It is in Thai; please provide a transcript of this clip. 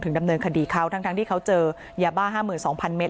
ถึงดำเนินคดีเขาทั้งทั้งที่เขาเจอหญ้าบ้าห้ามื่นสองพันเมตร